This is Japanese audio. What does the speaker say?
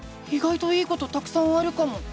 いがいといいことたくさんあるかも！